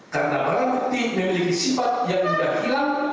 karena berarti memiliki sifat yang sudah hilang